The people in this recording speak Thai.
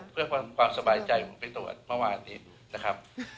เพื่อความสบายใจผมไปตรวจเมื่อวานนี้นะครับ